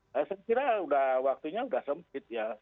saya kira udah waktunya udah sempit ya